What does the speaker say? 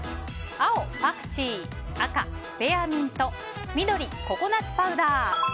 青、パクチー赤、スペアミント緑、ココナツパウダー。